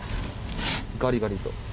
ガリガリと。